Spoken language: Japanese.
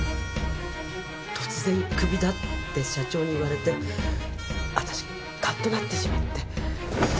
突然クビだって社長に言われて私カッとなってしまって。